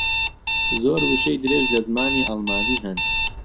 زۆر وشەی درێژ لە زمانی ئەڵمانی ھەن.